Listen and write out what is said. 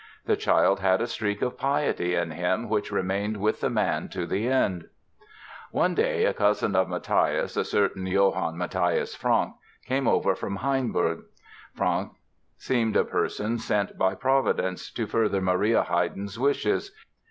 The child had a streak of piety in him which remained with the man to the end. One day a cousin of Mathias, a certain Johann Mathias Franck, came over from Hainburg. Franck seemed a person sent by Providence to further Maria Haydn's wishes.